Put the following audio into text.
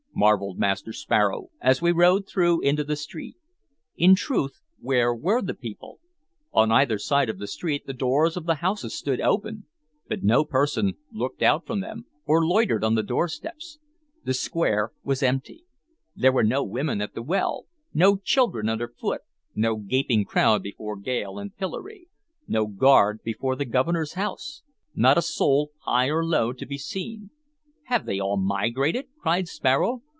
marveled Master Sparrow, as we rode through into the street. In truth, where were the people? On either side of the street the doors of the houses stood open, but no person looked out from them or loitered on the doorsteps; the square was empty; there were no women at the well, no children underfoot, no gaping crowd before gaol and pillory, no guard before the Governor's house, not a soul, high or low, to be seen. "Have they all migrated?" cried Sparrow.